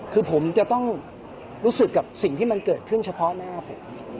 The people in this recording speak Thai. คือผมจะต้องรู้สึกกับสิ่งที่มันเกิดขึ้นเฉพาะหน้าผม